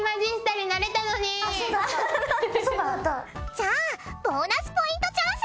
じゃあボーナスポイントチャンス！